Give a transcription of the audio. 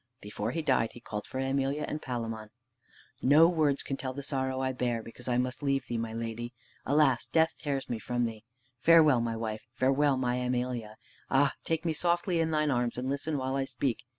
Before he died, he called for Emelia and Palamon. "No words can tell the sorrow I bear because I must leave thee, my lady! Alas, death tears me from thee! Farewell, my wife! farewell, my Emelia! Ah, take me softly in thine arms, and listen while I speak!